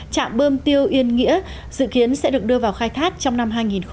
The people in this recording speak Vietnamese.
trạm bơm tiêu yên nghĩa dự kiến sẽ được đưa vào khai thác trong năm hai nghìn hai mươi